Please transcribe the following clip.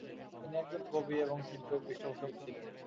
তিনি একজন কবি এবং শিল্পের পৃষ্ঠপোষক ছিলেন।